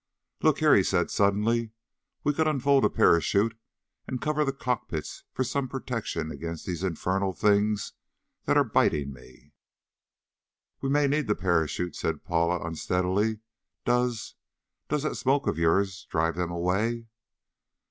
"Look here," he said suddenly, "we could unfold a parachute and cover the cockpits for some protection against these infernal things that are biting me." "We may need the parachute," said Paula unsteadily. "Does does that smoke of yours drive them away?"